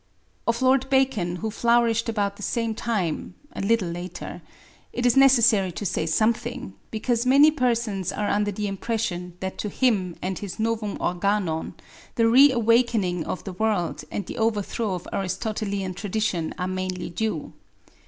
Of Lord Bacon, who flourished about the same time (a little later), it is necessary to say something, because many persons are under the impression that to him and his Novum Organon the reawakening of the world, and the overthrow of Aristotelian tradition, are mainly due.